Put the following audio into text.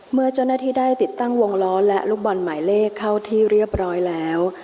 เมื่อเจ้าหน้าที่ได้ติดตั้งวงล้อและลูกบอลหมายเลขเข้าที่เรียบร้อยแล้ว